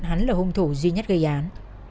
hắn là hung thủ duy nhất gây án